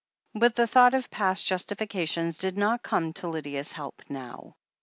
But the thought of past justifications did not come to Lydia's help now.